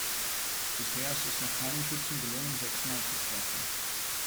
Bisher ist es noch keinem Schützen gelungen, sechsmal zu treffen.